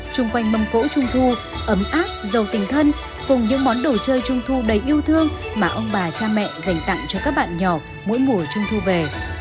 chung quanh mâm cỗ trung thu ấm áp giàu tình thân cùng những món đồ chơi trung thu đầy yêu thương mà ông bà cha mẹ dành tặng cho các bạn nhỏ mỗi mùa trung thu về